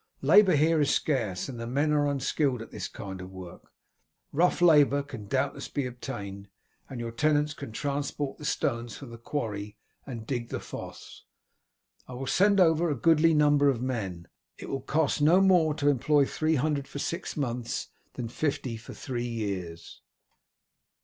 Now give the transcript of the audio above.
Labour here is scarce, and the men are unskilled at this kind of work. Rough labour can doubtless be obtained, and your tenants can transport the stones from the quarry and dig the fosse. I will send over a goodly number of men. It will cost no more to employ three hundred for six months than fifty for three years."